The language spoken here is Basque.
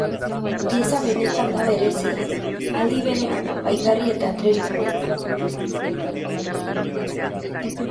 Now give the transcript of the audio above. Pieza benetan da berezia, aldi berean apaingarri eta tresna baita.